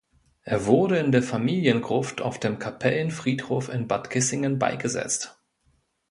Er wurde in der Familiengruft auf dem Kapellenfriedhof in Bad Kissingen beigesetzt.